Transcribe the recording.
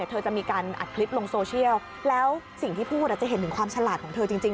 เธอจะมีการอัดคลิปลงโซเชียลแล้วสิ่งที่พูดจะเห็นถึงความฉลาดของเธอจริง